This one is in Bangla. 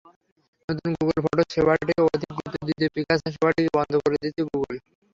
নতুন গুগল ফটোজ সেবাটিকে অধিক গুরুত্ব দিতে পিকাসা সেবাটিকে বন্ধ করে দিচ্ছে গুগল।